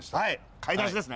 買い出しですね。